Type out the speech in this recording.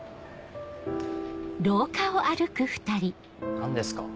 何ですか？